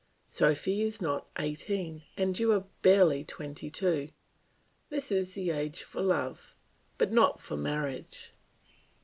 "Sophy is not eighteen, and you are barely twenty two; this is the age for love, but not for marriage.